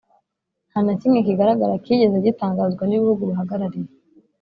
nta na kimwe kigaragara cyigeze gitangazwa n'ibihugu bahagarariye.